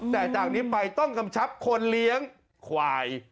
แต่จากนี้ไปต้องกำชับคนเลี้ยงควาย